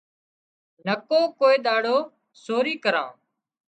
نڪو ڪوئي ۮاڙو سورِي ڪران